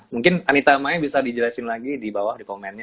mungkin anita maya bisa dijelasin lagi di bawah di komennya